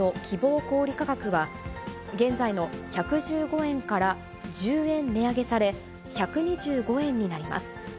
小売り価格は、現在の１１５円から１０円値上げされ、１２５円になります。